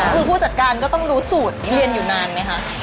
คือผู้จัดการก็ต้องรู้สูตรเรียนอยู่นานไหมคะ